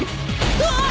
うわっ！